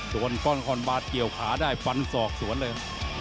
โดนข้อนกรบาสเกี่ยวขาได้ฟันศอกสวนเลย